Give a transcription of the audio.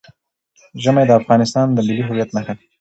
ژمی د افغانستان د ملي هویت نښه ده.